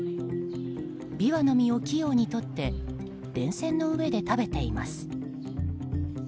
ビワの実を器用に取って電線の上で食べています。